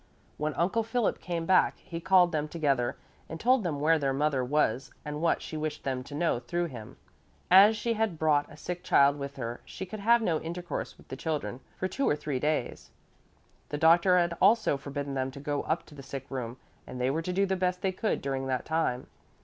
When Uncle Philip came back, he called them together and told them where their mother was and what she wished them to know through him. As she had brought a sick child with her, she could have no intercourse with the children for two or three days. The doctor had also forbidden them to go up to the sick room, and they were to do the best they could during that time.